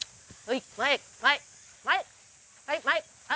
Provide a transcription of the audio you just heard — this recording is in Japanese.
はい！